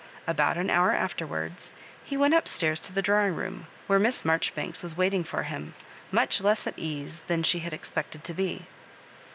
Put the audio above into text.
About an hour afterwards he went up staire to the drawing room, where Miss Mar joribanks was waiting for him, much less at ease Uiau she had expected to be.